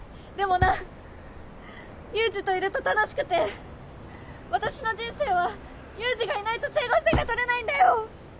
でもなユウジといると楽しくて私の人生はユウジがいないと整合性がとれないんだよ！